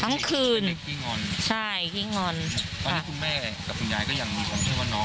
ทั้งคืนใช่คืนค่ะตอนนี้คุณแม่กับคุณยายก็ยังมีคนชื่อว่าน้อง